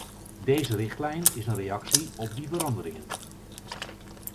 Deze richtlijn is een reactie op die veranderingen.